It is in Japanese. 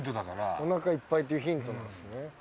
お腹いっぱいっていうヒントなんですね。